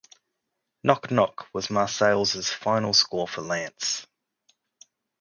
"Knock Knock" was Marsales' final score for Lantz.